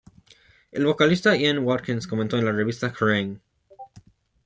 El vocalista Ian Watkins comentó a la revista Kerrang!